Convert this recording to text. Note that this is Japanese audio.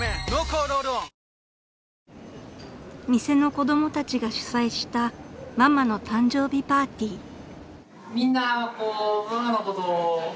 ［店の子供たちが主催したママの誕生日パーティー］